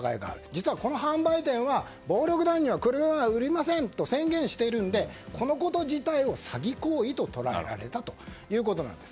実はこの販売店は暴力団に車は売りませんと宣言しているのでこのこと自体を詐欺行為と捉えられたということなんです。